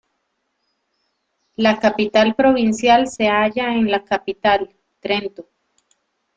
La capital provincial se halla en la capital, Trento.